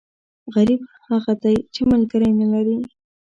غریب هغه دی، چې ملکری نه لري.